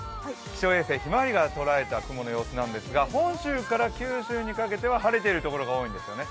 気象衛星ひまわりが捉えた雲の様子なんですが本州から九州にかけては晴れているところが多いんですよね。